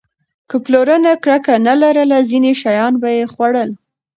که پلرونه کرکه نه لرله، ځینې شیان به یې خوړل.